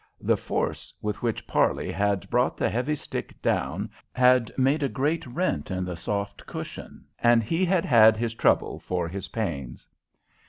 The force with which Parley had brought the heavy stick down had made a great rent in the soft cushion, and he had had his trouble for his pains.